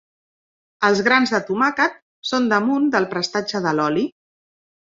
Els grans de tomàquet són damunt del prestatge de l'oli.